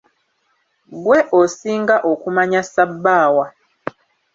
Ggwe osinga okumanya ssabbaawa.